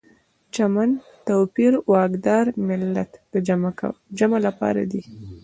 چمن، توپیر، واکدار، ملت د جمع لپاره دي.